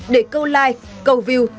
để câu like câu view